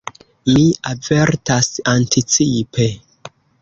Mi avertas anticipe.